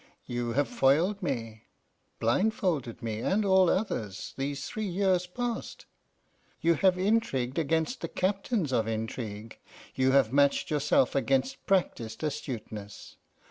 You have foiled me, blindfolded me and all others, these three years past. You have intrigued against the captains of intrigue, you have matched yourself against practised astuteness.